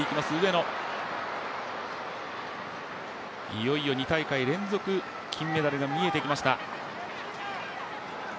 いよいよ２大会連続金メダルが見えてきました。